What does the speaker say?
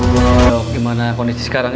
gimana kondisi sekarang